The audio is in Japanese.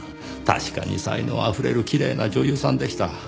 確かに才能溢れるきれいな女優さんでした。